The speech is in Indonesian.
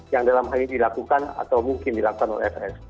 yang dalam hal ini dilakukan atau mungkin dilakukan oleh fs